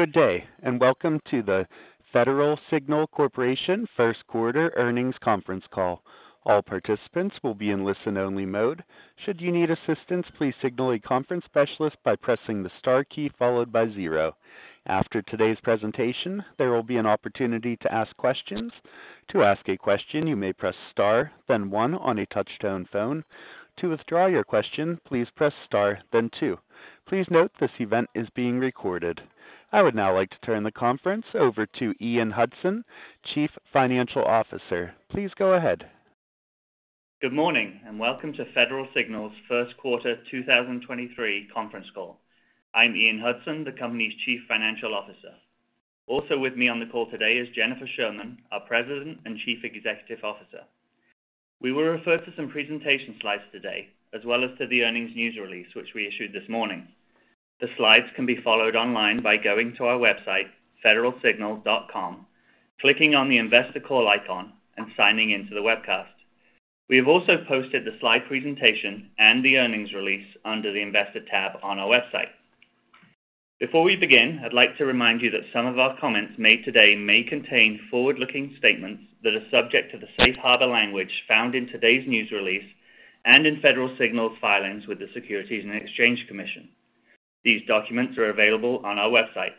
Good day, welcome to the Federal Signal Corporation first quarter earnings conference call. All participants will be in listen-only mode. Should you need assistance, please signal a conference specialist by pressing the star key followed by zero. After today's presentation, there will be an opportunity to ask questions. To ask a question, you may press star, then one on a touch-tone phone. To withdraw your question, please press star then two. Please note this event is being recorded. I would now like to turn the conference over to Ian Hudson, Chief Financial Officer. Please go ahead. Good morning, welcome to Federal Signal's first quarter 2023 conference call. I'm Ian Hudson, the company's Chief Financial Officer. Also with me on the call today is Jennifer Sherman, our President and Chief Executive Officer. We will refer to some presentation slides today, as well as to the earnings news release, which we issued this morning. The slides can be followed online by going to our website, federalsignal.com, clicking on the Investor Call icon and signing in to the webcast. We have also posted the slide presentation and the earnings release under the Investor tab on our website. Before we begin, I'd like to remind you that some of our comments made today may contain forward-looking statements that are subject to the safe harbor language found in today's news release and in Federal Signal filings with the Securities and Exchange Commission. These documents are available on our website.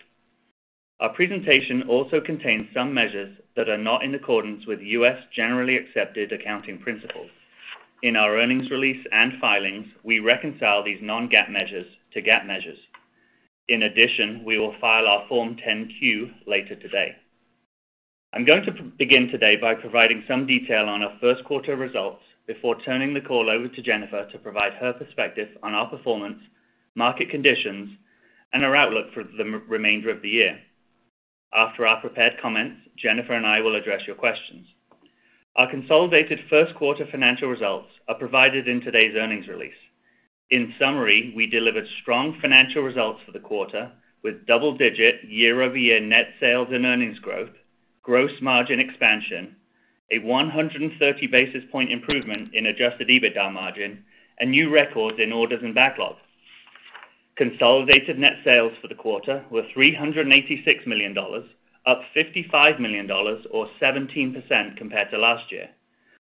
Our presentation also contains some measures that are not in accordance with U.S. generally accepted accounting principles. In our earnings release and filings, we reconcile these non-GAAP measures to GAAP measures. We will file our Form 10-Q later today. I'm going to begin today by providing some detail on our first quarter results before turning the call over to Jennifer to provide her perspective on our performance, market conditions, and our outlook for the remainder of the year. After our prepared comments, Jennifer and I will address your questions. Our consolidated first quarter financial results are provided in today's earnings release. We delivered strong financial results for the quarter with double-digit year-over-year net sales and earnings growth, gross margin expansion, a 130 basis point improvement in adjusted EBITDA margin, and new records in orders and backlogs. Consolidated net sales for the quarter were $386 million, up $55 million or 17% compared to last year.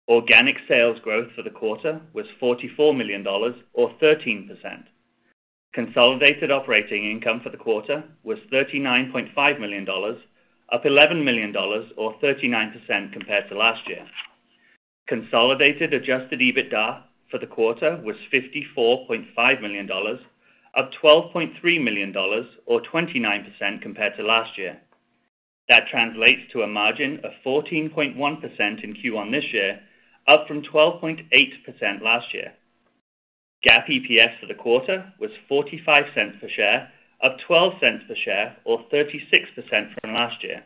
Organic sales growth for the quarter was $44 million or 13%. Consolidated operating income for the quarter was $39.5 million, up $11 million or 39% compared to last year. Consolidated adjusted EBITDA for the quarter was $54.5 million, up $12.3 million or 29% compared to last year. That translates to a margin of 14.1% in Q1 this year, up from 12.8% last year. GAAP EPS for the quarter was $0.45 per share, up $0.12 per share or 36% from last year.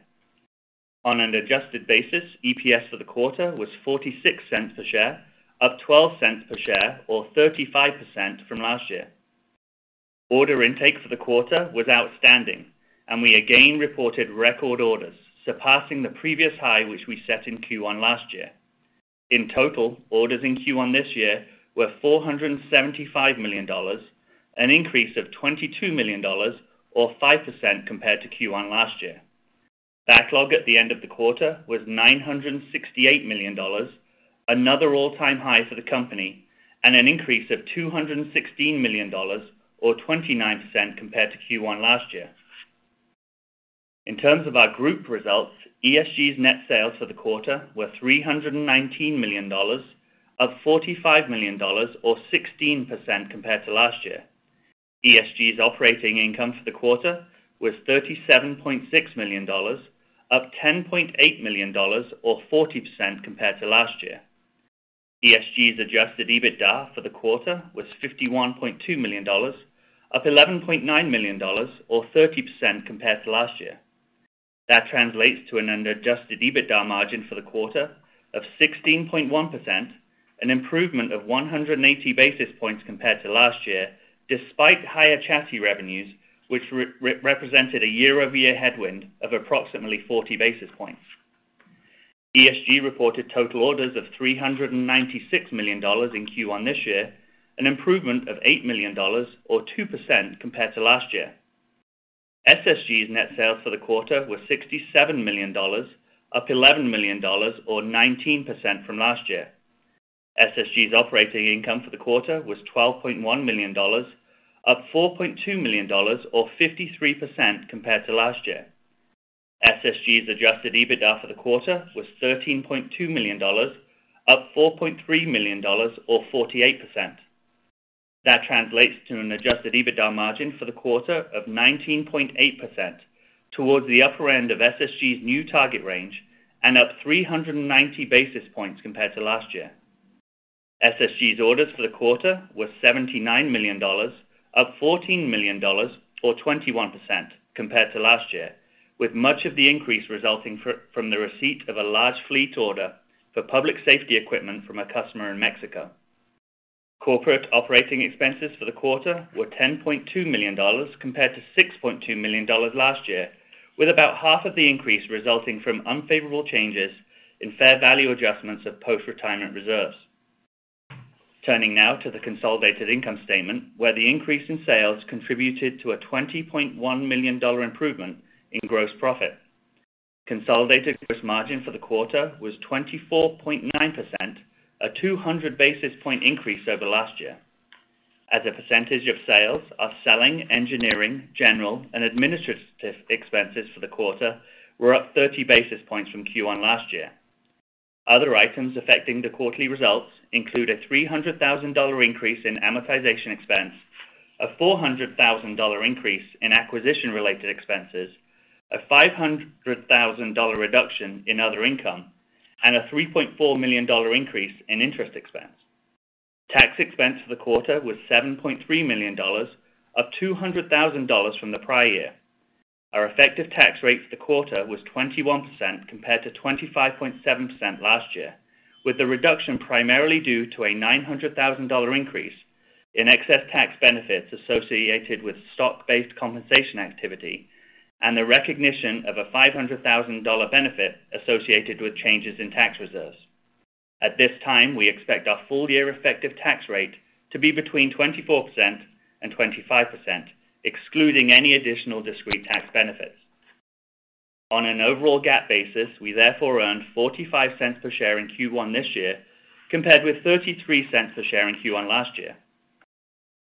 On an adjusted basis, EPS for the quarter was $0.46 per share, up $0.12 per share or 35% from last year. Order intake for the quarter was outstanding. We again reported record orders surpassing the previous high, which we set in Q1 last year. In total, orders in Q1 this year were $475 million, an increase of $22 million or 5% compared to Q1 last year. Backlog at the end of the quarter was $968 million, another all-time high for the company. An increase of $216 million or 29% compared to Q1 last year. In terms of our group results, ESG's net sales for the quarter were $319 million, up $45 million or 16% compared to last year. ESG's operating income for the quarter was $37.6 million, up $10.8 million or 40% compared to last year. ESG's adjusted EBITDA for the quarter was $51.2 million, up $11.9 million or 30% compared to last year. That translates to an adjusted EBITDA margin for the quarter of 16.1%, an improvement of 180 basis points compared to last year, despite higher chassis revenues, which represented a year-over-year headwind of approximately 40 basis points. ESG reported total orders of $396 million in Q1 this year, an improvement of $8 million or 2% compared to last year. SSG's net sales for the quarter were $67 million, up $11 million, or 19% from last year. SSG's operating income for the quarter was $12.1 million, up $4.2 million or 53% compared to last year. SSG's adjusted EBITDA for the quarter was $13.2 million, up $4.3 million or 48%. That translates to an adjusted EBITDA margin for the quarter of 19.8% towards the upper end of SSG's new target range and up 390 basis points compared to last year. SSG's orders for the quarter were $79 million, up $14 million or 21% compared to last year, with much of the increase resulting from the receipt of a large fleet order for public safety equipment from a customer in Mexico. Corporate operating expenses for the quarter were $10.2 million compared to $6.2 million last year, with about half of the increase resulting from unfavorable changes in fair value adjustments of post-retirement reserves. Turning now to the consolidated income statement, where the increase in sales contributed to a $20.1 million improvement in gross profit. Consolidated gross margin for the quarter was 24.9%, a 200 basis point increase over last year. As a percentage of sales, our selling, engineering, general and administrative expenses for the quarter were up 30 basis points from Q1 last year. Other items affecting the quarterly results include a $300,000 increase in amortization expense, a $400,000 increase in acquisition-related expenses, a $500,000 reduction in other income, and a $3.4 million increase in interest expense. Tax expense for the quarter was $7.3 million, up $200,000 from the prior year. Our effective tax rate for the quarter was 21% compared to 25.7% last year, with the reduction primarily due to a $900,000 increase in excess tax benefits associated with stock-based compensation activity and the recognition of a $500,000 benefit associated with changes in tax reserves. At this time, we expect our full year effective tax rate to be between 24% and 25%, excluding any additional discrete tax benefits. On an overall GAAP basis, we therefore earned $0.45 per share in Q1 this year, compared with $0.33 per share in Q1 last year.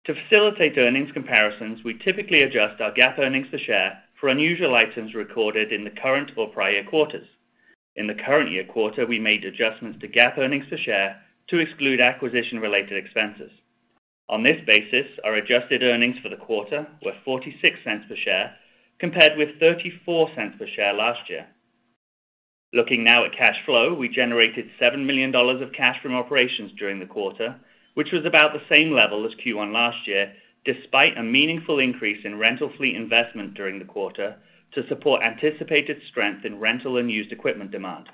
To facilitate earnings comparisons, we typically adjust our GAAP earnings per share for unusual items recorded in the current or prior quarters. In the current year quarter, we made adjustments to GAAP earnings per share to exclude acquisition-related expenses. On this basis, our adjusted earnings for the quarter were $0.46 per share, compared with $0.34 per share last year. Looking now at cash flow, we generated $7 million of cash from operations during the quarter, which was about the same level as Q1 last year, despite a meaningful increase in rental fleet investment during the quarter to support anticipated strength in rental and used equipment demand.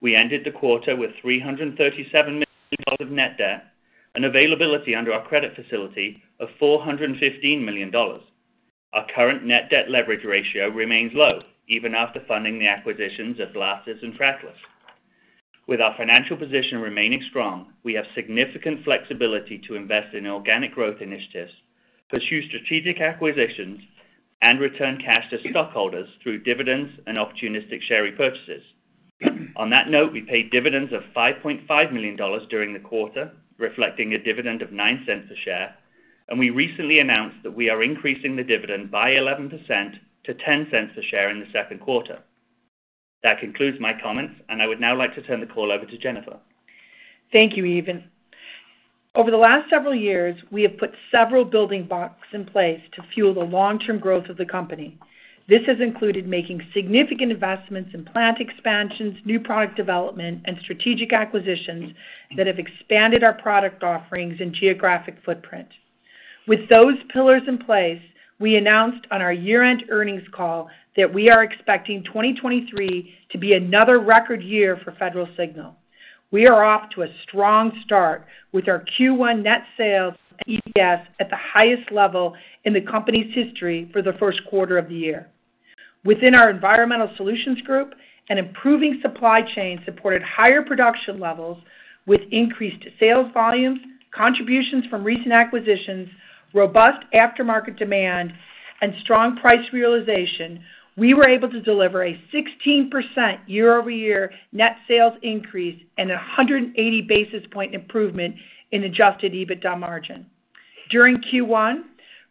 We ended the quarter with $337 million of net debt and availability under our credit facility of $415 million. Our current net debt leverage ratio remains low even after funding the acquisitions of Blasters and Trackless. With our financial position remaining strong, we have significant flexibility to invest in organic growth initiatives, pursue strategic acquisitions and return cash to stockholders through dividends and opportunistic share repurchases. On that note, we paid dividends of $5.5 million during the quarter, reflecting a dividend of $0.09 a share, and we recently announced that we are increasing the dividend by 11% to $0.10 a share in the second quarter. That concludes my comments, and I would now like to turn the call over to Jennifer. Thank you, Ian. Over the last several years, we have put several building blocks in place to fuel the long-term growth of the company. This has included making significant investments in plant expansions, new product development and strategic acquisitions that have expanded our product offerings and geographic footprint. With those pillars in place, we announced on our year-end earnings call that we are expecting 2023 to be another record year for Federal Signal. We are off to a strong start with our Q1 net sales at ES at the highest level in the company's history for the first quarter of the year. Within our Environmental Solutions Group, an improving supply chain supported higher production levels with increased sales volumes, contributions from recent acquisitions, robust aftermarket demand and strong price realization. We were able to deliver a 16% year-over-year net sales increase and a 180 basis point improvement in adjusted EBITDA margin. During Q1,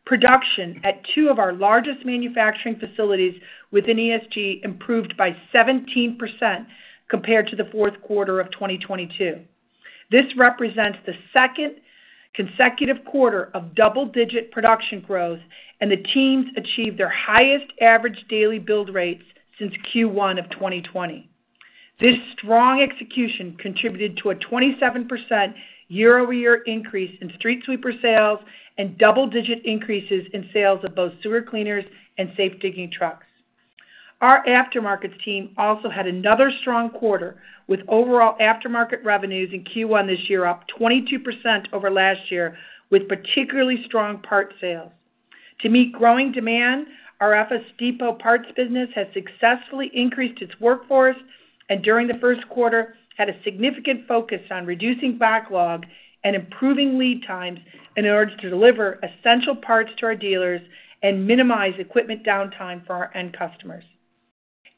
production at two of our largest manufacturing facilities within ESG improved by 17% compared to the fourth quarter of 2022. This represents the second consecutive quarter of double-digit production growth. The teams achieved their highest average daily build rates since Q1 of 2020. This strong execution contributed to a 27% year-over-year increase in street sweeper sales and double-digit increases in sales of both sewer cleaners and safe digging trucks. Our aftermarkets team also had another strong quarter, with overall aftermarket revenues in Q1 this year up 22% over last year, with particularly strong parts sales. To meet growing demand, our FS Depot parts business has successfully increased its workforce and during the first quarter, had a significant focus on reducing backlog and improving lead times in order to deliver essential parts to our dealers and minimize equipment downtime for our end customers.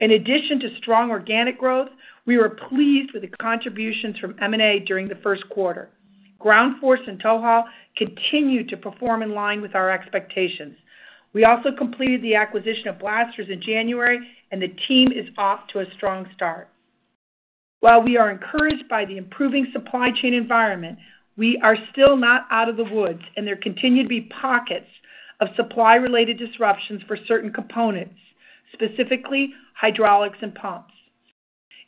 In addition to strong organic growth, we were pleased with the contributions from M&A during the first quarter. Ground Force and TowHaul continued to perform in line with our expectations. We also completed the acquisition of Blasters in January, and the team is off to a strong start. While we are encouraged by the improving supply chain environment, we are still not out of the woods, and there continue to be pockets of supply-related disruptions for certain components, specifically hydraulics and pumps.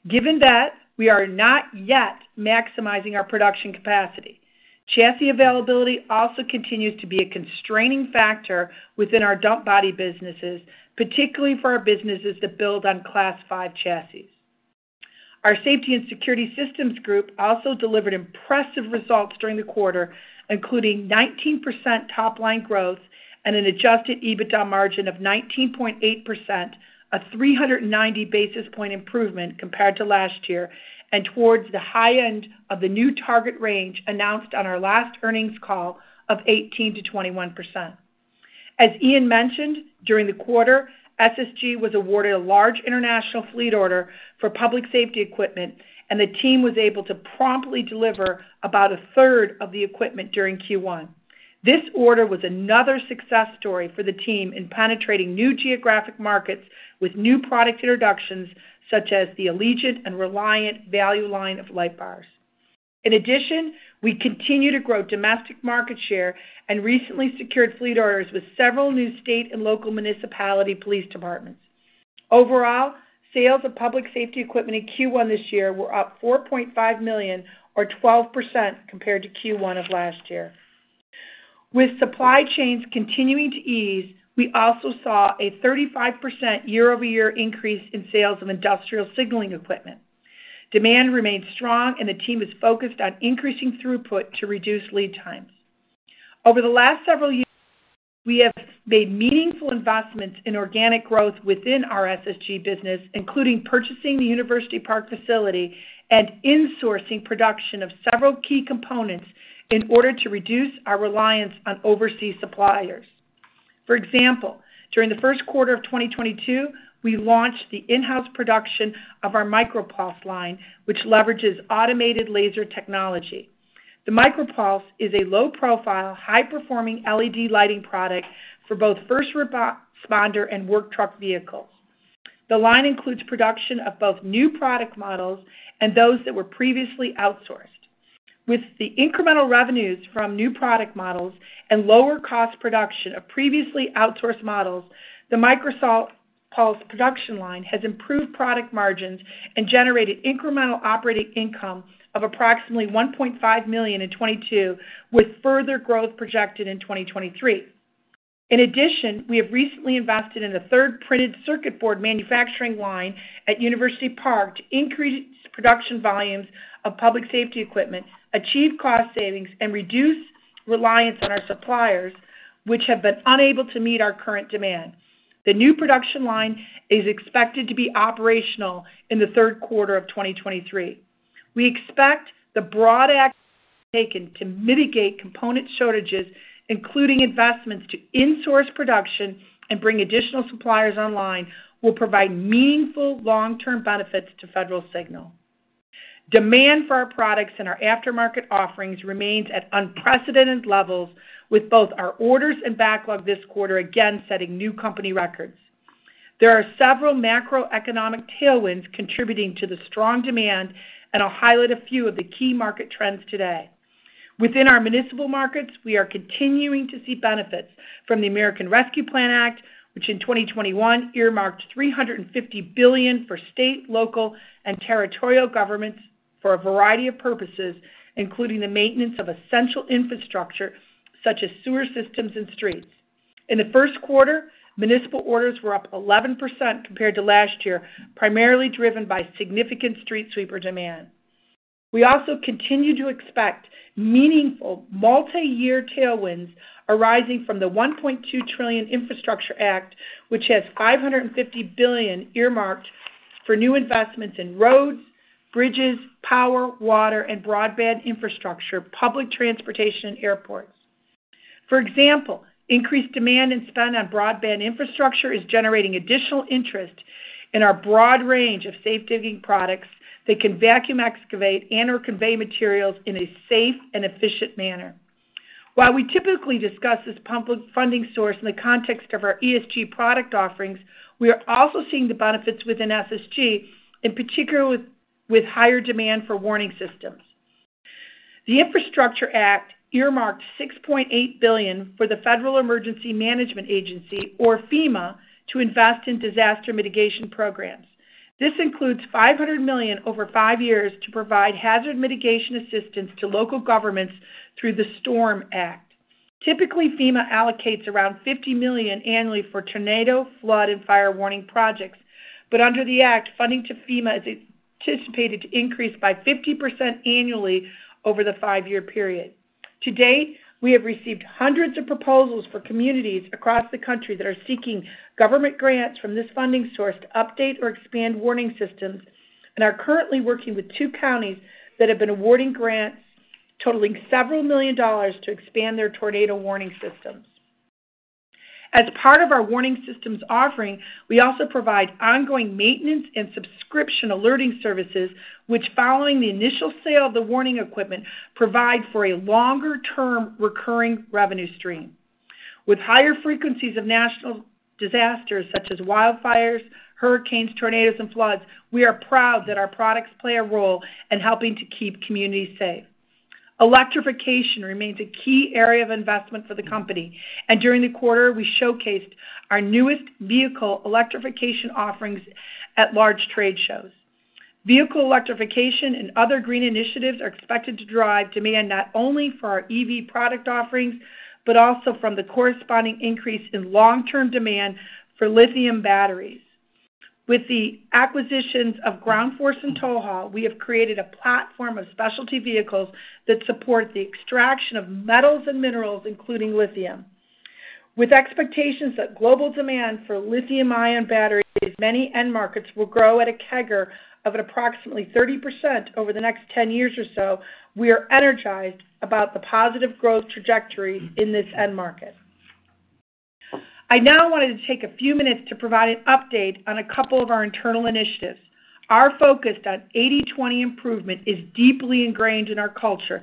Given that, we are not yet maximizing our production capacity. Chassis availability also continues to be a constraining factor within our dump body businesses, particularly for our businesses that build on Class 5 chassis. Our Safety and Security Systems Group also delivered impressive results during the quarter, including 19% top-line growth and an adjusted EBITDA margin of 19.8%, a 390 basis point improvement compared to last year and towards the high end of the new target range announced on our last earnings call of 18%-21%. As Ian mentioned, during the quarter, SSG was awarded a large international fleet order for public safety equipment, and the team was able to promptly deliver about a third of the equipment during Q1. This order was another success story for the team in penetrating new geographic markets with new product introductions, such as the Allegiant and Reliant value line of light bars. In addition, we continue to grow domestic market share and recently secured fleet orders with several new state and local municipality police departments. Overall, sales of public safety equipment in Q1 this year were up $4.5 million or 12% compared to Q1 of last year. With supply chains continuing to ease, we also saw a 35% year-over-year increase in sales of industrial signaling equipment. Demand remains strong, and the team is focused on increasing throughput to reduce lead times. Over the last several years, we have made meaningful investments in organic growth within our SSG business, including purchasing the University Park facility and insourcing production of several key components in order to reduce our reliance on overseas suppliers. For example, during the first quarter of 2022, we launched the in-house production of our MicroPulse line, which leverages automated laser technology. The MicroPulse is a low-profile, high-performing LED lighting product for both first responder and work truck vehicles. The line includes production of both new product models and those that were previously outsourced. With the incremental revenues from new product models and lower cost production of previously outsourced models, the MicroPulse production line has improved product margins and generated incremental operating income of approximately $1.5 million in 2022, with further growth projected in 2023. We have recently invested in a third printed circuit board manufacturing line at University Park to increase production volumes of public safety equipment, achieve cost savings, and reduce reliance on our suppliers, which have been unable to meet our current demand. The new production line is expected to be operational in the third quarter of 2023. We expect the broad actions taken to mitigate component shortages, including investments to insource production and bring additional suppliers online, will provide meaningful long-term benefits to Federal Signal. Demand for our products and our aftermarket offerings remains at unprecedented levels with both our orders and backlog this quarter again setting new company records. There are several macroeconomic tailwinds contributing to the strong demand, and I'll highlight a few of the key market trends today. Within our municipal markets, we are continuing to see benefits from the American Rescue Plan Act, which in 2021 earmarked $350 billion for state, local, and territorial governments for a variety of purposes, including the maintenance of essential infrastructure, such as sewer systems and streets. In the first quarter, municipal orders were up 11% compared to last year, primarily driven by significant street sweeper demand. We also continue to expect meaningful multiyear tailwinds arising from the $1.2 trillion Infrastructure Act, which has $550 billion earmarked for new investments in roads, bridges, power, water, and broadband infrastructure, public transportation, and airports. For example, increased demand and spend on broadband infrastructure is generating additional interest in our broad range of safe digging products that can vacuum excavate and/or convey materials in a safe and efficient manner. While we typically discuss this public funding source in the context of our ESG product offerings, we are also seeing the benefits within SSG, in particular with higher demand for warning systems. The Infrastructure Act earmarked $6.8 billion for the Federal Emergency Management Agency, or FEMA, to invest in disaster mitigation programs. This includes $500 million over five years to provide hazard mitigation assistance to local governments through the STORM Act. Typically, FEMA allocates around $50 million annually for tornado, flood, and fire warning projects. Under the act, funding to FEMA is anticipated to increase by 50% annually over the five-year period. To date, we have received hundreds of proposals for communities across the country that are seeking government grants from this funding source to update or expand warning systems and are currently working with two counties that have been awarding grants totaling several million dollars to expand their tornado warning systems. As part of our warning systems offering, we also provide ongoing maintenance and subscription alerting services, which following the initial sale of the warning equipment, provide for a longer-term recurring revenue stream. With higher frequencies of national disasters such as wildfires, hurricanes, tornadoes, and floods, we are proud that our products play a role in helping to keep communities safe. Electrification remains a key area of investment for the company. During the quarter, we showcased our newest vehicle electrification offerings at large trade shows. Vehicle electrification and other green initiatives are expected to drive demand not only for our EV product offerings, but also from the corresponding increase in long-term demand for lithium batteries. With the acquisitions of Ground Force and TowHaul, we have created a platform of specialty vehicles that support the extraction of metals and minerals, including lithium. With expectations that global demand for lithium-ion batteries, many end markets will grow at a CAGR of approximately 30% over the next 10 years or so, we are energized about the positive growth trajectory in this end market. I now wanted to take a few minutes to provide an update on a couple of our internal initiatives. Our focus on 80/20 improvement is deeply ingrained in our culture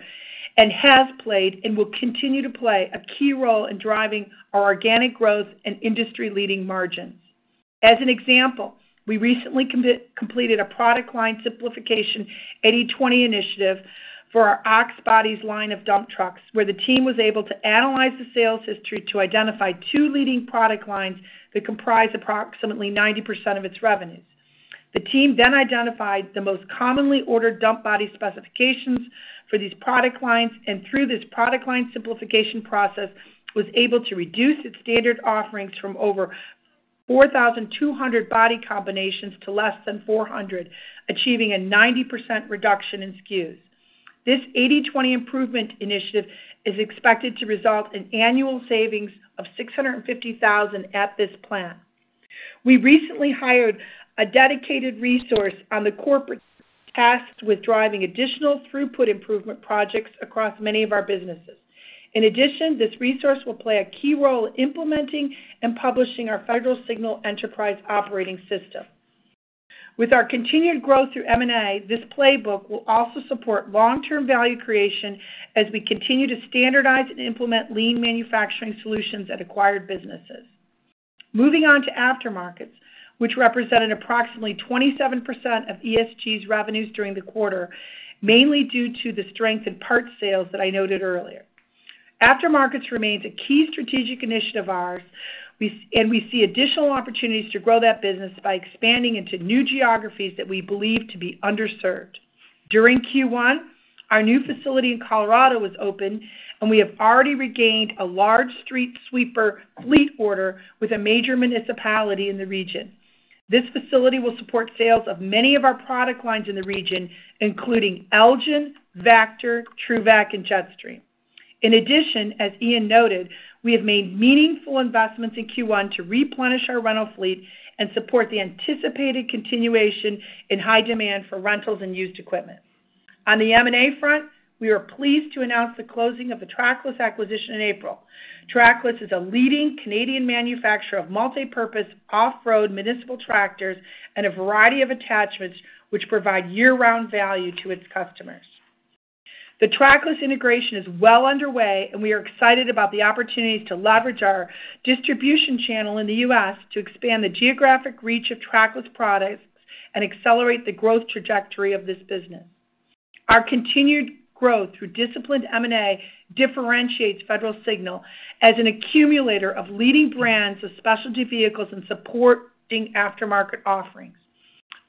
and has played and will continue to play a key role in driving our organic growth and industry-leading margins. As an example, we recently completed a product line simplification 80/20 initiative for our Ox Bodies line of dump trucks, where the team was able to analyze the sales history to identify two leading product lines that comprise approximately 90% of its revenues. The team identified the most commonly ordered dump body specifications for these product lines, and through this product line simplification process, was able to reduce its standard offerings from over 4,200 body combinations to less than 400, achieving a 90% reduction in SKUs. This 80/20 improvement initiative is expected to result in annual savings of $650,000 at this plant. We recently hired a dedicated resource on the corporate tasked with driving additional throughput improvement projects across many of our businesses. This resource will play a key role in implementing and publishing our Federal Signal operating system. With our continued growth through M&A, this playbook will also support long-term value creation as we continue to standardize and implement lean manufacturing solutions at acquired businesses. Moving on to aftermarkets, which represented approximately 27% of ESG's revenues during the quarter, mainly due to the strength in parts sales that I noted earlier. Aftermarkets remains a key strategic initiative of ours. We see additional opportunities to grow that business by expanding into new geographies that we believe to be underserved. During Q1, our new facility in Colorado was opened, and we have already regained a large street sweeper fleet order with a major municipality in the region. This facility will support sales of many of our product lines in the region, including Elgin, Vactor, TRUVAC, and Jetstream. As Ian noted, we have made meaningful investments in Q1 to replenish our rental fleet and support the anticipated continuation in high demand for rentals and used equipment. On the M&A front, we are pleased to announce the closing of the Trackless acquisition in April. Trackless is a leading Canadian manufacturer of multipurpose off-road municipal tractors and a variety of attachments which provide year-round value to its customers. The Trackless integration is well underway, and we are excited about the opportunities to leverage our distribution channel in the U.S. to expand the geographic reach of Trackless products and accelerate the growth trajectory of this business. Our continued growth through disciplined M&A differentiates Federal Signal as an accumulator of leading brands of specialty vehicles and supporting aftermarket offerings.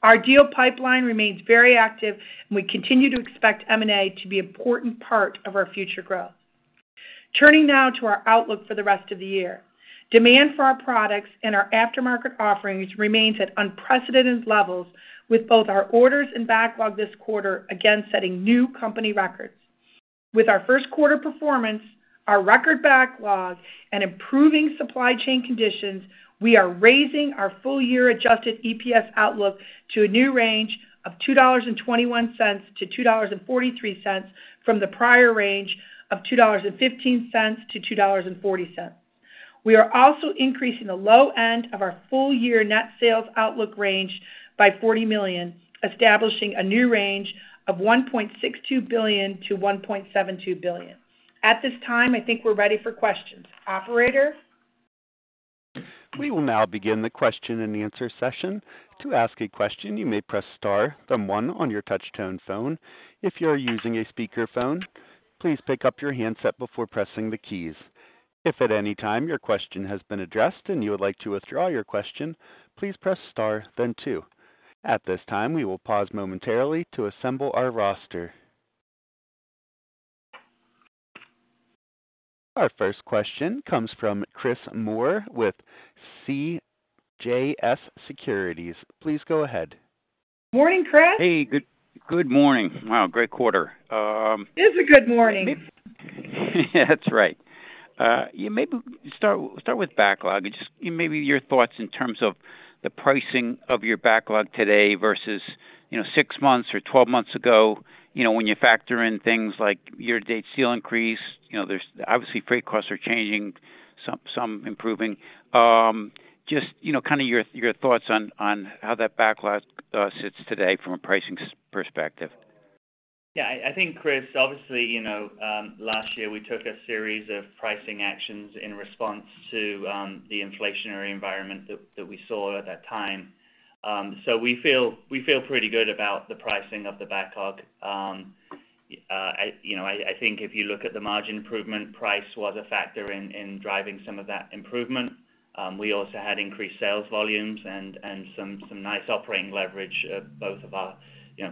Our deal pipeline remains very active, and we continue to expect M&A to be important part of our future growth. Turning now to our outlook for the rest of the year. Demand for our products and our aftermarket offerings remains at unprecedented levels with both our orders and backlog this quarter, again setting new company records. With our first quarter performance, our record backlogs, and improving supply chain conditions, we are raising our full year adjusted EPS outlook to a new range of $2.21-$2.43 from the prior range of $2.15-$2.40. We are also increasing the low end of our full year net sales outlook range by $40 million, establishing a new range of $1.62 billion-$1.72 billion. At this time, I think we're ready for questions. Operator? We will now begin the question and answer session. To ask a question, you may press star then one on your touch-tone phone. If you are using a speakerphone, please pick up your handset before pressing the keys. If at any time your question has been addressed and you would like to withdraw your question, please press star then two. At this time, we will pause momentarily to assemble our roster. Our first question comes from Chris Moore with CJS Securities. Please go ahead. Morning, Chris. Hey, good morning. Wow, great quarter. It is a good morning. That's right. Yeah, maybe start with backlog. Just, yeah, maybe your thoughts in terms of the pricing of your backlog today versus, you know, six months or 12 months ago? You know, when you factor in things like year-to-date seal increase, you know, obviously freight costs are changing, some improving. Just, you know, kind of your thoughts on how that backlog sits today from a pricing perspective? Yeah. I think, Chris, obviously, you know, last year we took a series of pricing actions in response to the inflationary environment that we saw at that time. We feel pretty good about the pricing of the backlog. I, you know, I think if you look at the margin improvement, price was a factor in driving some of that improvement. We also had increased sales volumes and some nice operating leverage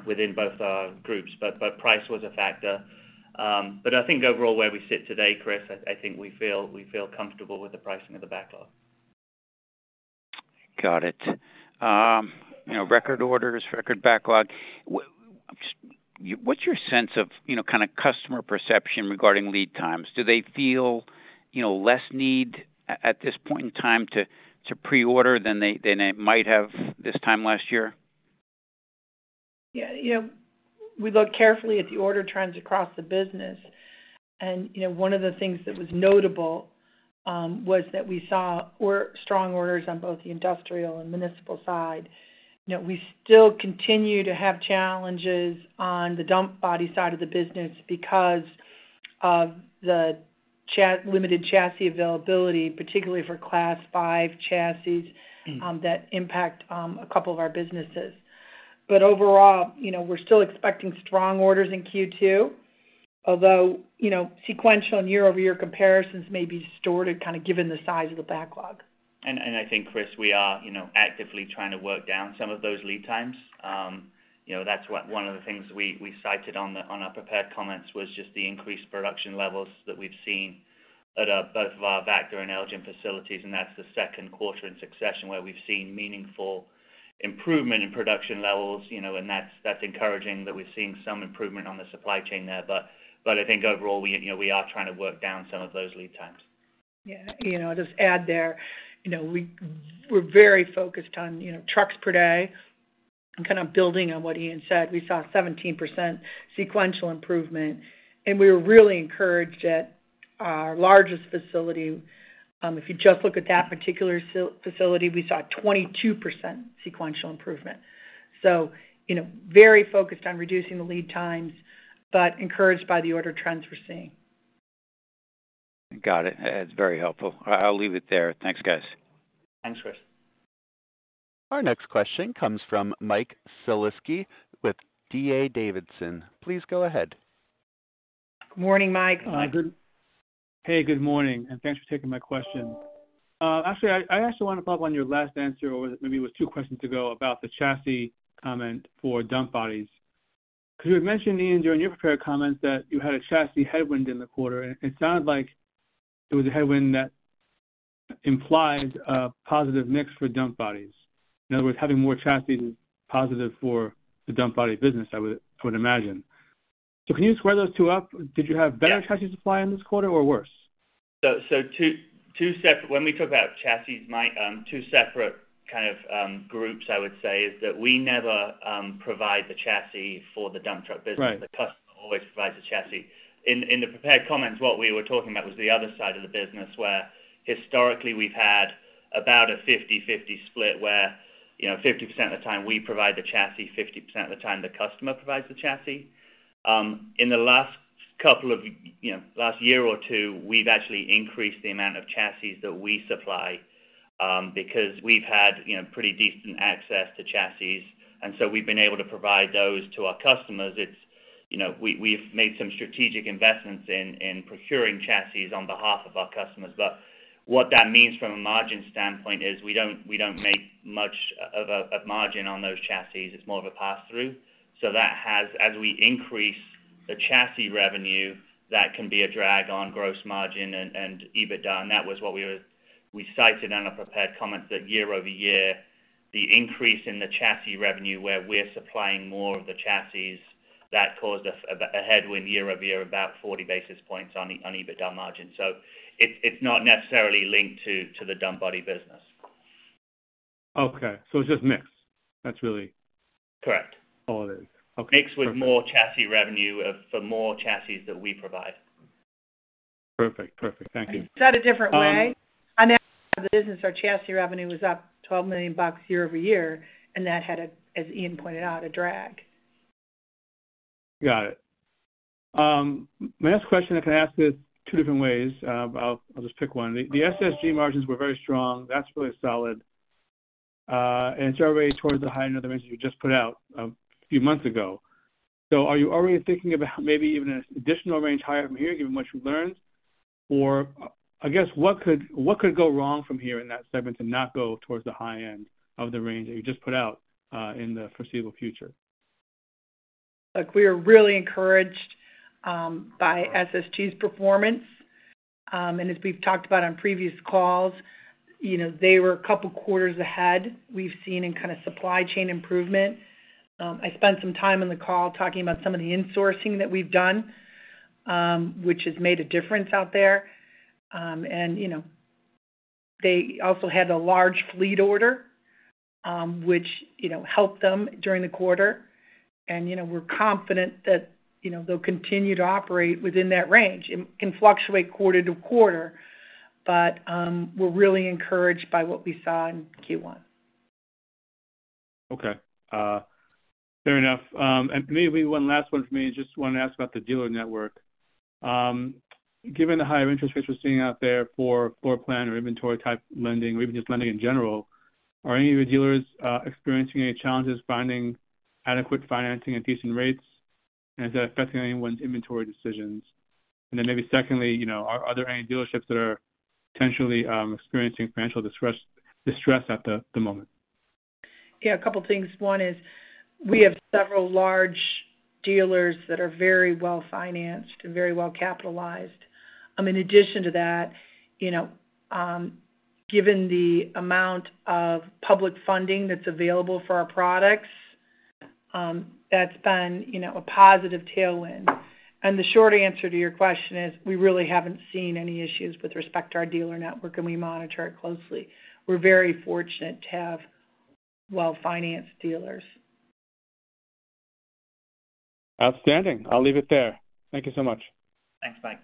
within both our groups. Price was a factor. I think overall, where we sit today, Chris, I think we feel comfortable with the pricing of the backlog. Got it. You know, record orders, record backlog. What's your sense of, you know, kinda customer perception regarding lead times? Do they feel, you know, less need at this point in time to pre-order than they might have this time last year? You know, we look carefully at the order trends across the business. You know, one of the things that was notable was that we saw strong orders on both the industrial and municipal side. You know, we still continue to have challenges on the dump body side of the business because of the limited chassis availability, particularly for Class 5 chassis, that impact a couple of our businesses. Overall, you know, we're still expecting strong orders in Q2, although, you know, sequential and year-over-year comparisons may be distorted kind of given the size of the backlog. I think, Chris Moore, we are, you know, actively trying to work down some of those lead times. You know, that's what one of the things we cited on the, on our prepared comments was just the increased production levels that we've seen at both of our Vactor and Elgin facilities, and that's the second quarter in succession where we've seen meaningful improvement in production levels, you know, and that's encouraging that we're seeing some improvement on the supply chain there. I think overall we, you know, we are trying to work down some of those lead times. Yeah. You know, I'll just add there. You know, we're very focused on, you know, trucks per day and kind of building on what Ian said. We saw a 17% sequential improvement. We were really encouraged at our largest facility. If you just look at that particular facility, we saw a 22% sequential improvement. Very focused on reducing the lead times, but encouraged by the order trends we're seeing. Got it. That's very helpful. I'll leave it there. Thanks, guys. Thanks, Chris. Our next question comes from Mike Shlisky with D.A. Davidson. Please go ahead. Morning, Mike. Hi. Hey, good morning. Thanks for taking my question. Actually, I actually want to follow up on your last answer, or maybe it was two questions ago, about the chassis comment for dump bodies. You had mentioned, Ian, during your prepared comments that you had a chassis headwind in the quarter, and it sounded like it was a headwind that implied a positive mix for dump bodies. In other words, having more chassis is positive for the dump body business, I would imagine. Can you square those two up? Did you have better chassis supply in this quarter or worse? Two separate when we talk about chassis, Mike, two separate kind of, groups, I would say, is that we never provide the chassis for the dump truck business. Right. The customer always provides the chassis. In the prepared comments, what we were talking about was the other side of the business where historically we've had about a 50/50 split where, you know, 50% of the time we provide the chassis, 50% of the time the customer provides the chassis. In the last couple of, you know, last year or two, we've actually increased the amount of chassis that we supply, because we've had, you know, pretty decent access to chassis. So we've been able to provide those to our customers. It's, you know, we've made some strategic investments in procuring chassis on behalf of our customers. What that means from a margin standpoint is we don't make much of a margin on those chassis. It's more of a pass-through. That as we increase the chassis revenue, that can be a drag on gross margin and EBITDA. That was we cited on our prepared comments that year-over-year, the increase in the chassis revenue where we're supplying more of the chassis, that caused us a headwind year-over-year about 40 basis points on EBITDA margin. It's not necessarily linked to the dump body business. Okay. it's just mix. Correct. All it is. Okay. Mix with more chassis revenue of, for more chassis that we provide. Perfect. Perfect. Thank you. To put it a different way, on that business, our chassis revenue was up $12 million year-over-year, and that had a, as Ian pointed out, a drag. Got it. My next question, I can ask it two different ways. I'll just pick 1. The SSG margins were very strong. That's really solid. It's already towards the high end of the range that you just put out, a few months ago. Are you already thinking about maybe even an additional range higher from here, given what you've learned? I guess what could go wrong from here in that segment to not go towards the high end of the range that you just put out, in the foreseeable future? Look, we are really encouraged by SSG's performance. As we've talked about on previous calls, you know, they were a couple quarters ahead. We've seen in kind of supply chain improvement. I spent some time on the call talking about some of the insourcing that we've done, which has made a difference out there. They also had a large fleet order, which, you know, helped them during the quarter. We're confident that, you know, they'll continue to operate within that range. It can fluctuate quarter to quarter, but we're really encouraged by what we saw in Q1. Okay. fair enough. Maybe one last one for me. Just want to ask about the dealer network. Given the higher interest rates we're seeing out there for floor plan or inventory type lending, or even just lending in general, are any of your dealers experiencing any challenges finding adequate financing at decent rates? Is that affecting anyone's inventory decisions? Then maybe secondly, you know, are there any dealerships that are potentially experiencing financial distress at the moment? Yeah, a couple of things. One is we have several large dealers that are very well-financed and very well-capitalized. In addition to that, you know, given the amount of public funding that's available for our products, that's been, you know, a positive tailwind. The short answer to your question is we really haven't seen any issues with respect to our dealer network, and we monitor it closely. We're very fortunate to have well-financed dealers. Outstanding. I'll leave it there. Thank you so much. Thanks. Bye.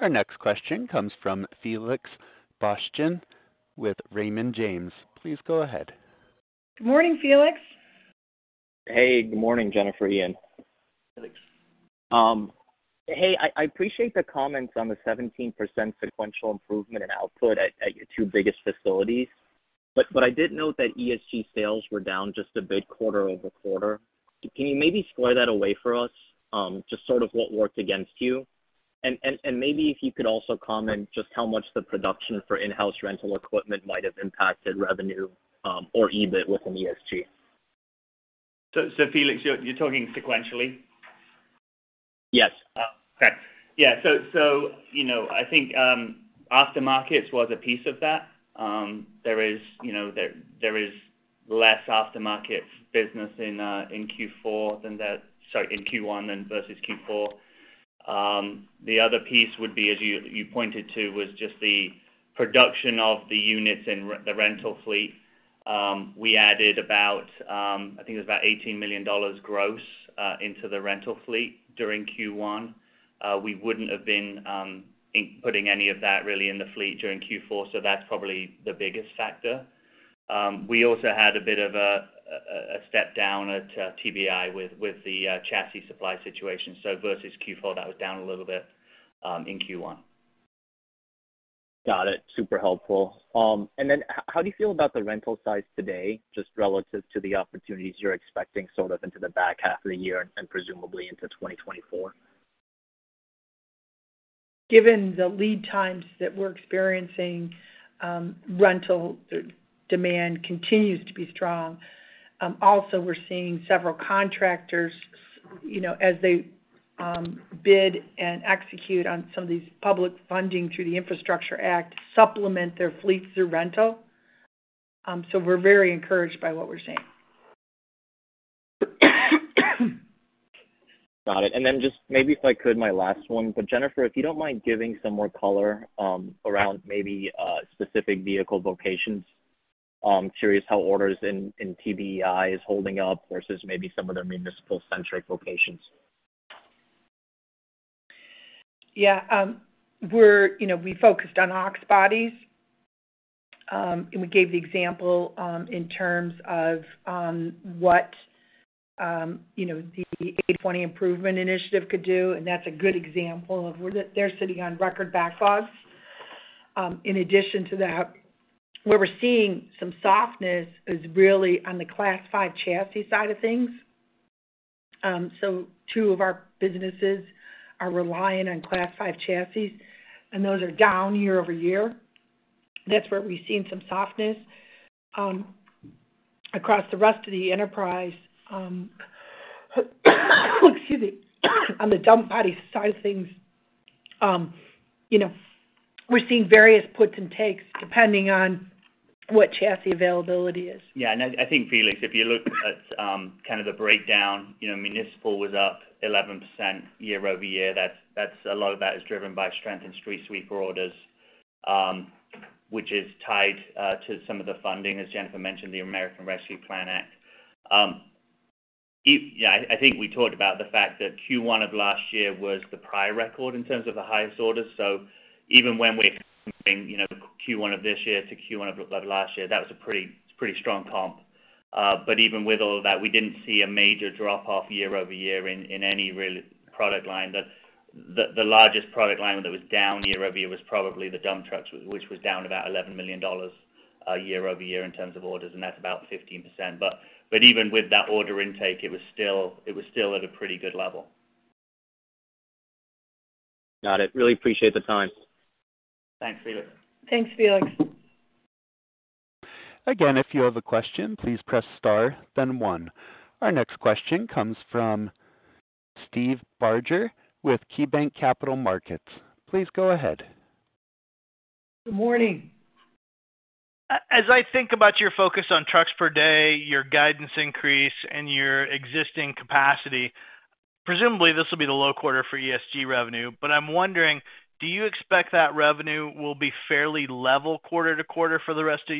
Our next question comes from Felix Boeschen with Raymond James. Please go ahead. Good morning, Felix. Hey, good morning, Jennifer, Ian. Felix. Hey, I appreciate the comments on the 17% sequential improvement in output at your two biggest facilities. I did note that ESG sales were down just a bit quarter-over-quarter. Can you maybe square that away for us, just sort of what worked against you? Maybe if you could also comment just how much the production for in-house rental equipment might have impacted revenue, or EBIT within ESG. Felix, you're talking sequentially? Yes. Okay. Yeah. You know, I think, aftermarkets was a piece of that. There is, you know, there is less aftermarket business in Q4 than, sorry, in Q1 than versus Q4. The other piece would be, as you pointed to, was just the production of the units in the rental fleet. We added about, I think it was about $18 million gross, into the rental fleet during Q1. We wouldn't have been putting any of that really in the fleet during Q4, so that's probably the biggest factor. We also had a bit of a step down at TBEI with the chassis supply situation. Versus Q4, that was down a little bit in Q1. Got it. Super helpful. How do you feel about the rental size today, just relative to the opportunities you're expecting sort of into the back half of the year and presumably into 2024? Given the lead times that we're experiencing, rental demand continues to be strong. We're seeing several contractors, you know, as they bid and execute on some of these public funding through the Infrastructure Act, supplement their fleets through rental. We're very encouraged by what we're seeing. Got it. Just maybe if I could, my last one. Jennifer, if you don't mind giving some more color, around maybe, specific vehicle locations. I'm curious how orders in TBEI is holding up versus maybe some of their municipal-centric locations. Yeah. We're, you know, we focused on Ox Bodies. We gave the example, in terms of, what, you know, the 80/20 improvement initiative could do, and that's a good example of where they're sitting on record backlogs. In addition to that, where we're seeing some softness is really on the Class 5 chassis side of things. Two of our businesses are relying on Class 5 chassis, and those are down year-over-year. That's where we've seen some softness. Across the rest of the enterprise, excuse me, on the dump body side of things, you know, we're seeing various puts and takes depending on what chassis availability is. I think, Felix, if you look at, kind of the breakdown, you know, municipal was up 11% year-over-year. That's a lot of that is driven by strength in street sweeper orders, which is tied to some of the funding, as Jennifer mentioned, the American Rescue Plan Act. I think we talked about the fact that Q1 of last year was the prior record in terms of the highest orders. Even when we're comparing, you know, Q1 of this year to Q1 of last year, that was a pretty strong comp. Even with all of that, we didn't see a major drop-off year-over-year in any really product line. The largest product line that was down year-over-year was probably the dump trucks, which was down about $11 million year-over-year in terms of orders, and that's about 15%. Even with that order intake, it was still at a pretty good level. Got it. Really appreciate the time. Thanks, Felix. Thanks, Felix. If you have a question, please press star then one. Our next question comes from Steve Barger with KeyBanc Capital Markets. Please go ahead. Good morning. As I think about your focus on trucks per day, your guidance increase and your existing capacity, presumably this will be the low quarter for ESG revenue. I'm wondering, do you expect that revenue will be fairly level quarter to quarter for the rest of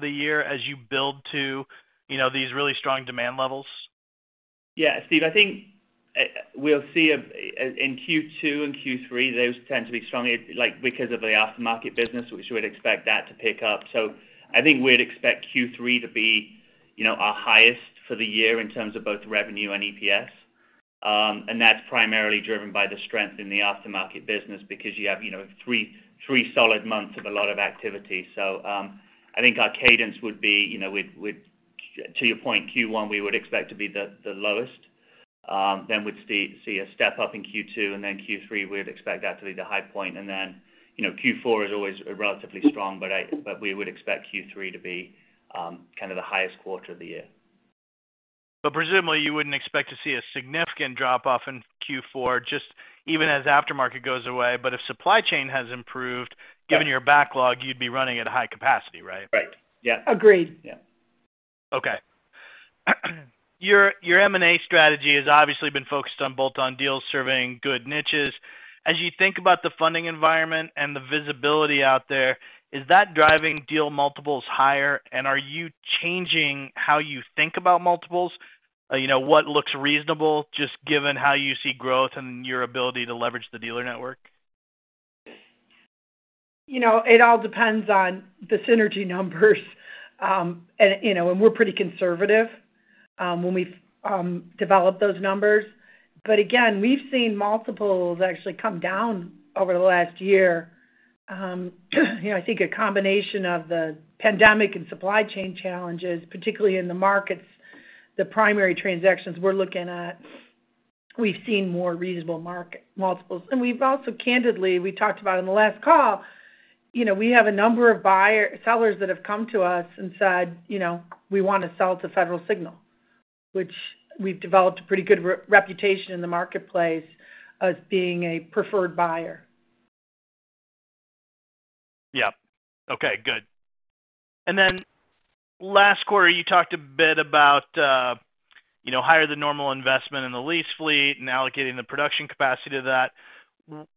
the year as you build to, you know, these really strong demand levels? Yeah. Steve, I think we'll see in Q2 and Q3, those tend to be strongly like because of the aftermarket business, which we'd expect that to pick up. I think we'd expect Q3 to be, you know, our highest for the year in terms of both revenue and EPS. That's primarily driven by the strength in the aftermarket business because you have, you know, three solid months of a lot of activity. I think our cadence would be, you know, we'd to your point Q1, we would expect to be the lowest. We'd see a step up in Q2, then Q3, we'd expect that to be the high point. You know, Q4 is always relatively strong, but we would expect Q3 to be, kind of the highest quarter of the year. Presumably, you wouldn't expect to see a significant drop-off in Q4, just even as aftermarket goes away. if supply chain has improved... Yeah. Given your backlog, you'd be running at a high capacity, right? Right. Yeah. Agreed. Yeah. Okay. Your M&A strategy has obviously been focused on bolt-on deals serving good niches. As you think about the funding environment and the visibility out there, is that driving deal multiples higher? Are you changing how you think about multiples? You know, what looks reasonable just given how you see growth and your ability to leverage the dealer network? You know, it all depends on the synergy numbers. You know, we're pretty conservative when we develop those numbers. Again, we've seen multiples actually come down over the last year. You know, I think a combination of the pandemic and supply chain challenges, particularly in the markets, the primary transactions we're looking at, we've seen more reasonable multiples. We've also, candidly, we talked about in the last call, you know, we have a number of sellers that have come to us and said, you know, "We wanna sell to Federal Signal," which we've developed a pretty good reputation in the marketplace as being a preferred buyer. Yeah. Okay, good. Then last quarter, you talked a bit about, you know, higher than normal investment in the lease fleet and allocating the production capacity to that.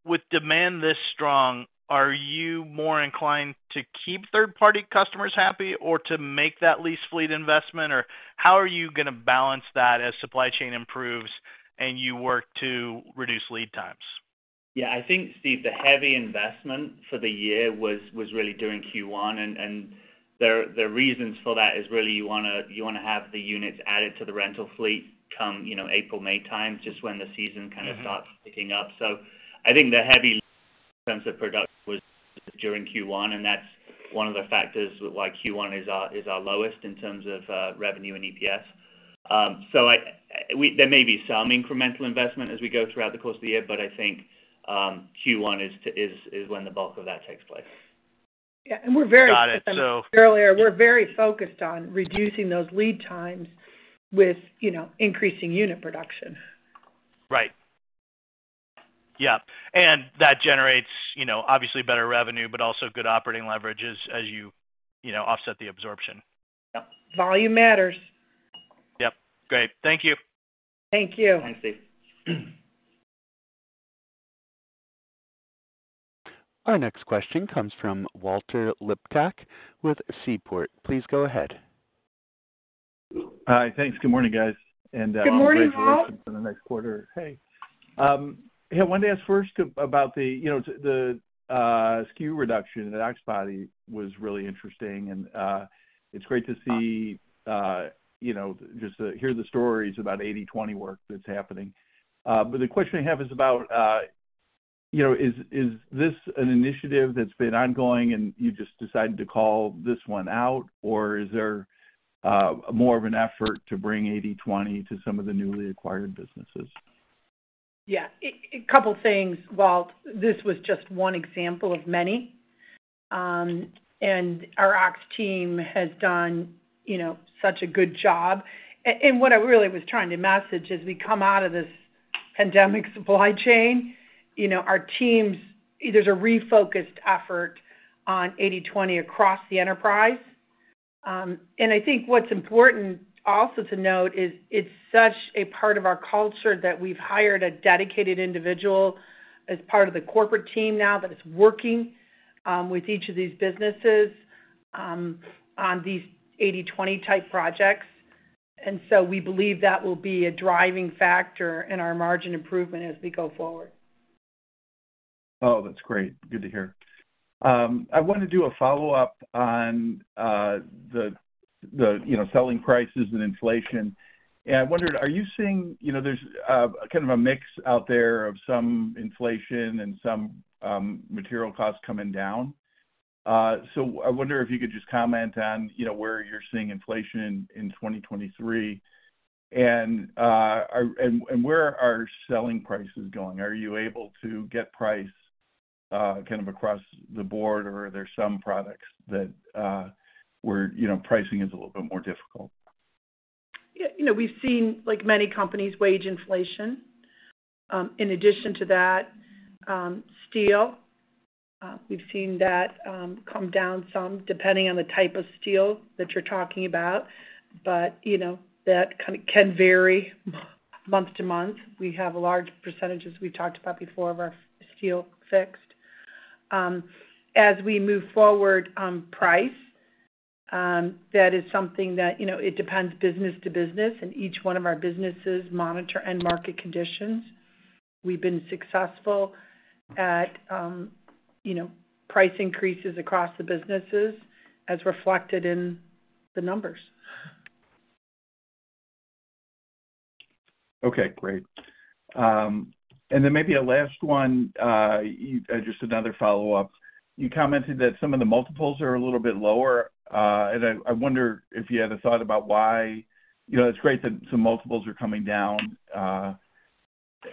With demand this strong, are you more inclined to keep third-party customers happy or to make that lease fleet investment? How are you gonna balance that as supply chain improves and you work to reduce lead times? Yeah. I think, Steve, the heavy investment for the year was really during Q1. The reasons for that is really you wanna have the units added to the rental fleet come, you know, April, May time, just when the season kind of. Mm-hmm Starts picking up. I think the heavy lift in terms of production was during Q1, and that's one of the factors why Q1 is our lowest in terms of revenue and EPS. There may be some incremental investment as we go throughout the course of the year, but I think Q1 is when the bulk of that takes place. Yeah. Got it. As I mentioned earlier, we're very focused on reducing those lead times with, you know, increasing unit production. Right. Yeah. That generates, you know, obviously better revenue, but also good operating leverage as you know, offset the absorption. Yep. Volume matters. Yep. Great. Thank you. Thank you. Thanks, Steve. Our next question comes from Walter Liptak with Seaport. Please go ahead. Hi. Thanks. Good morning, guys. Good morning, Walt.... congratulations on the next quarter. Hey, hey, I wanted to ask first about the, you know, the SKU reduction at Ox Bodies was really interesting, and it's great to see, you know, just to hear the stories about 80/20 work that's happening. The question I have is about, is this an initiative that's been ongoing and you just decided to call this one out, or is there more of an effort to bring 80/20 to some of the newly acquired businesses? Yeah. A couple things, Walt. This was just one example of many. Our Ox team has done, you know, such a good job. What I really was trying to message as we come out of this pandemic supply chain, you know, our teams, there's a refocused effort on 80/20 across the enterprise. I think what's important also to note is it's such a part of our culture that we've hired a dedicated individual as part of the corporate team now that is working with each of these businesses on these 80/20 type projects. We believe that will be a driving factor in our margin improvement as we go forward. Oh, that's great. Good to hear. I wanna do a follow-up on the, you know, selling prices and inflation. I wondered, are you seeing, you know, there's kind of a mix out there of some inflation and some material costs coming down. I wonder if you could just comment on, you know, where you're seeing inflation in 2023 and where are selling prices going? Are you able to get price kind of across the board or are there some products that where, you know, pricing is a little bit more difficult? Yeah. You know, we've seen, like many companies, wage inflation. In addition to that, steel, we've seen that come down some depending on the type of steel that you're talking about. You know, that kind of can vary month to month. We have a large percentage, as we've talked about before, of our steel fixed. As we move forward on price, that is something that, you know, it depends business to business, and each one of our businesses monitor end market conditions. We've been successful at, you know, price increases across the businesses as reflected in the numbers. Okay, great. Then maybe a last one, just another follow-up. You commented that some of the multiples are a little bit lower. I wonder if you had a thought about why? You know, it's great that some multiples are coming down.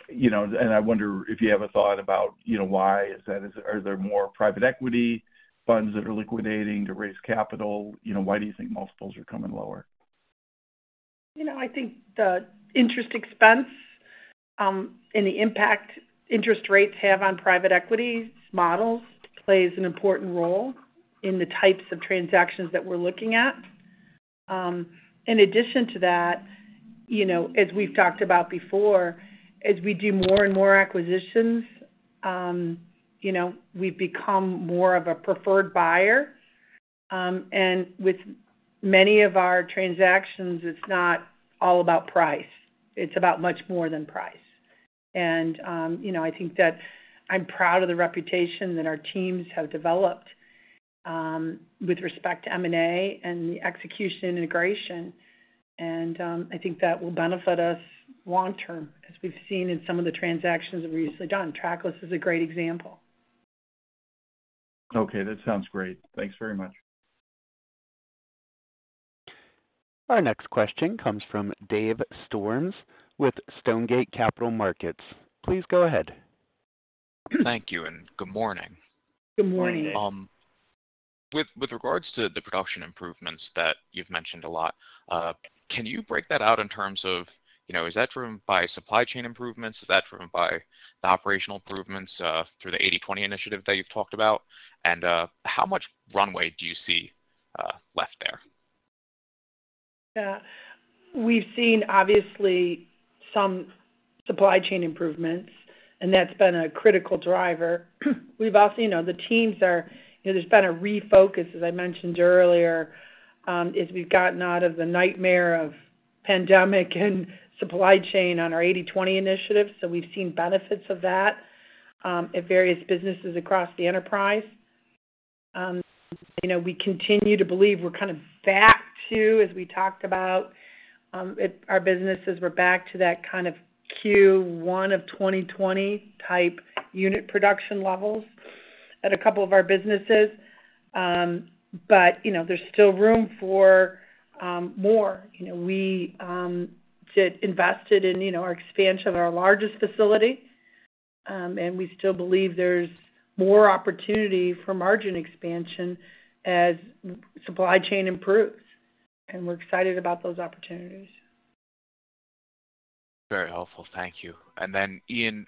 You know, I wonder if you have a thought about, you know, why is that? Are there more private equity funds that are liquidating to raise capital? You know, why do you think multiples are coming lower? You know, I think the interest expense, and the impact interest rates have on private equity's models plays an important role in the types of transactions that we're looking at. In addition to that, you know, as we've talked about before, as we do more and more acquisitions, you know, we've become more of a preferred buyer. With many of our transactions, it's not all about price, it's about much more than price. You know, I think that I'm proud of the reputation that our teams have developed, with respect to M&A and the execution integration. I think that will benefit us long term, as we've seen in some of the transactions that we've recently done. Trackless is a great example. Okay, that sounds great. Thanks very much. Our next question comes from Dave Storms with Stonegate Capital Markets. Please go ahead. Thank you. Good morning. Good morning. With regards to the production improvements that you've mentioned a lot, can you break that out in terms of, you know, is that driven by supply chain improvements? Is that driven by the operational improvements through the 80/20 initiative that you've talked about? How much runway do you see left there? We've seen obviously some supply chain improvements. That's been a critical driver. We've also, you know, the teams are... You know, there's been a refocus, as I mentioned earlier, as we've gotten out of the nightmare of pandemic and supply chain on our 80/20 initiative. We've seen benefits of that, at various businesses across the enterprise. You know, we continue to believe we're kind of back to, as we talked about, our businesses, we're back to that kind of Q1 of 2020 type unit production levels at a couple of our businesses. You know, there's still room for, more. You know, we, invested in, you know, our expansion of our largest facility, and we still believe there's more opportunity for margin expansion as supply chain improves. We're excited about those opportunities. Very helpful. Thank you. Then, Ian,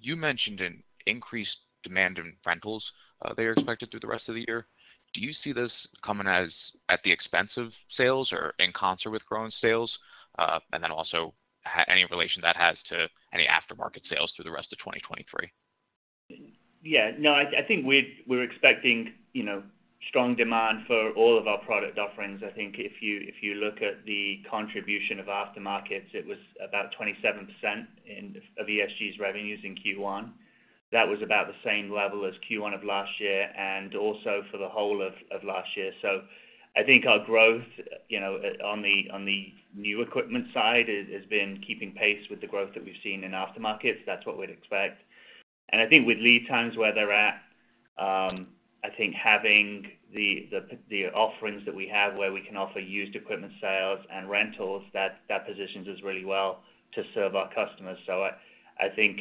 you mentioned an increased demand in rentals that are expected through the rest of the year. Do you see this coming as at the expense of sales or in concert with growing sales? Then also, any relation that has to any aftermarket sales through the rest of 2023. Yeah. No, I think we're expecting, you know, strong demand for all of our product offerings. I think if you look at the contribution of aftermarkets, it was about 27% of ESG's revenues in Q1. That was about the same level as Q1 of last year and also for the whole of last year. I think our growth, you know, on the new equipment side has been keeping pace with the growth that we've seen in aftermarkets. That's what we'd expect. I think with lead times where they're at, I think having the offerings that we have where we can offer used equipment sales and rentals, that positions us really well to serve our customers. I think,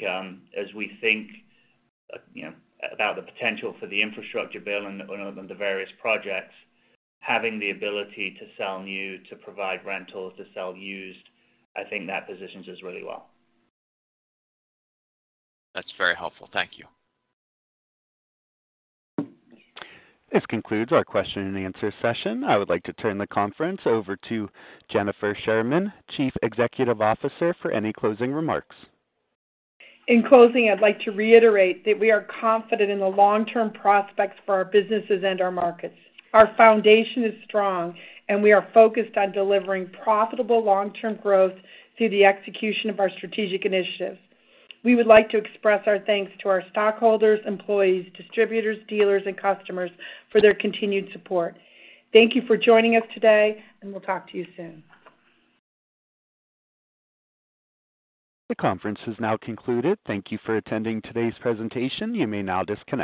as we think, you know, about the potential for the infrastructure bill and the various projects, having the ability to sell new, to provide rentals, to sell used, I think that positions us really well. That's very helpful. Thank you. This concludes our question and answer session. I would like to turn the conference over to Jennifer Sherman, Chief Executive Officer, for any closing remarks. In closing, I'd like to reiterate that we are confident in the long-term prospects for our businesses and our markets. Our foundation is strong, we are focused on delivering profitable long-term growth through the execution of our strategic initiatives. We would like to express our thanks to our stockholders, employees, distributors, dealers, and customers for their continued support. Thank you for joining us today, we'll talk to you soon. The conference is now concluded. Thank you for attending today's presentation. You may now disconnect.